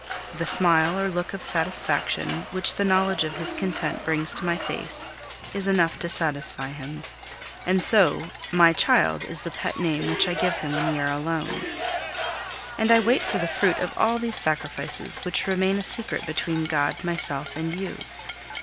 The smile or look of satisfaction which the knowledge of his content brings to my face is enough to satisfy him. And so, "my child" is the pet name which I give him when we are alone. And I wait for the fruit of all these sacrifices which remain a secret between God, myself, and you.